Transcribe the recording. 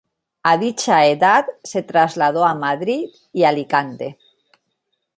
A dicha edad se trasladó a Madrid y Alicante.